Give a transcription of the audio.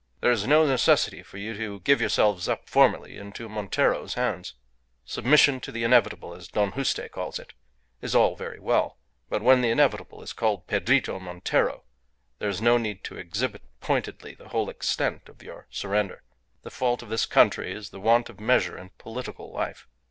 There is no necessity for you to give yourselves up formally into Montero's hands. Submission to the inevitable, as Don Juste calls it, is all very well, but when the inevitable is called Pedrito Montero there is no need to exhibit pointedly the whole extent of your surrender. The fault of this country is the want of measure in political life.